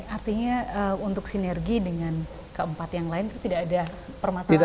artinya untuk sinergi dengan keempat yang lain itu tidak ada permasalahan